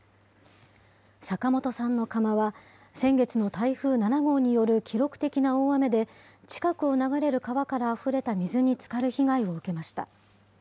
坂本さんの窯は、先月の台風７号による記録的な大雨で、近くを流れる川からあふれた水につかる被害を受けました。